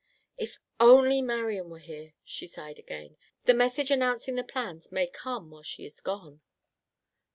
"If only Marian were here," she sighed again. "The message announcing the plans may come while she is gone.